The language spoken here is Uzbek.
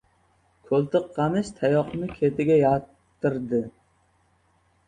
Ko‘ltiqlamish tayoqni ketiga yatttirdi.